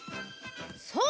そう！